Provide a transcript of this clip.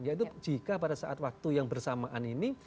yaitu jika pada saat waktu yang bersamaan ini